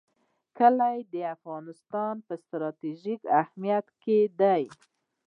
کلي د افغانستان په ستراتیژیک اهمیت کې دي.